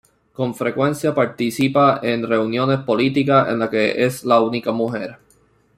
Con frecuencia participa en reuniones políticas en la que es la única mujer.